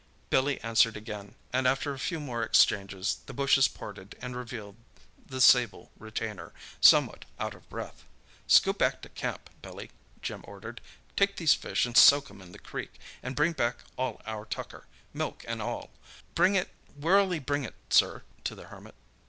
Billy answered again, and after a few more exchanges, the bushes parted and revealed the sable retainer, somewhat out of breath. "Scoot back to camp, Billy," Jim ordered. "Take these fish and soak 'em in the creek, and bring back all our tucker—milk and all. Bring it—Where'll he bring it, sir?" to the Hermit.